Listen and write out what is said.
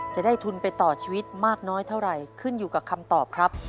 จะได้ทุนไปต่อชีวิตมากน้อยเท่าไหร่ขึ้นอยู่กับคำตอบครับ